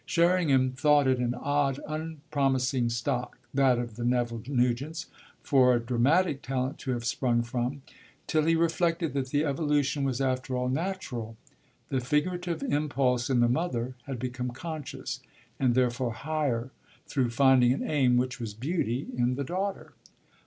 Sherringham thought it an odd unpromising stock (that of the Neville Nugents) for a dramatic talent to have sprung from, till he reflected that the evolution was after all natural: the figurative impulse in the mother had become conscious, and therefore higher, through finding an aim, which was beauty, in the daughter.